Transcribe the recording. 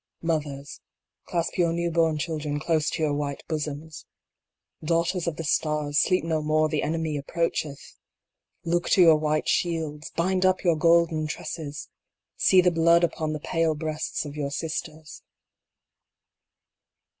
Mothers, clasp your new born children close to your white bosoms ! Daughters of the stars, sleep no more, the enemy ap proacheth ! Look to your white shields ! Bind up your golden tresses ! See the blood upon the pale breasts of your sisters.